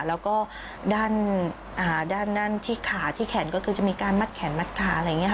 แล้วก็ด้านที่ขาที่แขนก็คือจะมีการมัดแขนมัดขาอะไรอย่างนี้ค่ะ